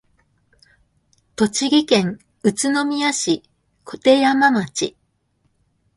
栃木県宇都宮市鐺山町